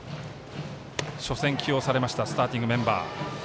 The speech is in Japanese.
初戦、起用されましたスターティングメンバー。